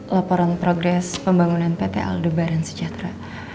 laporan progres pembangunan pt aldebaran sejahtera